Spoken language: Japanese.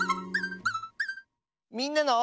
「みんなの」。